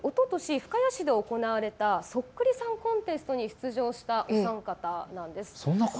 深谷市で行われたそっくりさんコンテストに出場されたお三方なんです。